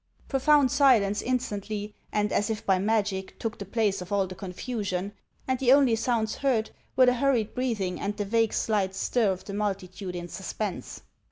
Profound silence instantly, and as if by magic, took the place of all the confusion ; and the only sounds heard were the hurried breathing and the vague slight stir of the multitude in suspense.